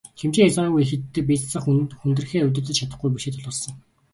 Хэмжээ хязгааргүй их иддэг, бие засах, хүндрэхээ удирдаж чадахгүй бэрхшээл тулгарсан.